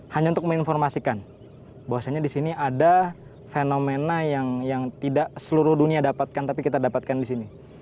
hanya untuk menginformasikan bahwasannya di sini ada fenomena yang tidak seluruh dunia dapatkan tapi kita dapatkan di sini